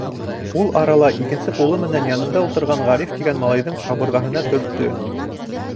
Ул арала икенсе ҡулы менән янында ултырған Ғариф тигән малайҙың ҡабырғаһына төрттө.